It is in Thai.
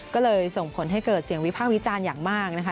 ก็เลยส่งผลให้เกิดเสียงวิพากษ์วิจารณ์อย่างมากนะคะ